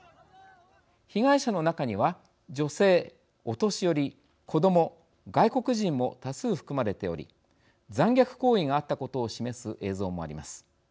被害者の中には女性お年寄り子ども外国人も多数含まれており残虐行為があったことを示す映像もあります。